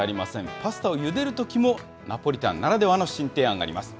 パスタをゆでるときも、ナポリタンならではの新提案があります。